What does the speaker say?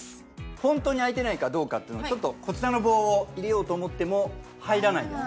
ホントに空いてないかどうかっていうのをこちらの棒を入れようと思っても入らないんです。